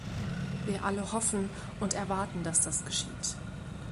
Wir alle hoffen und erwarten, dass das geschieht.